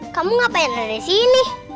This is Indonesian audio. kamu ngapain ada disini